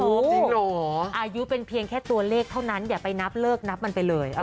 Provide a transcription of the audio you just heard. จริงเหรออายุเป็นเพียงแค่ตัวเลขเท่านั้นอย่าไปนับเลิกนับมันไปเลย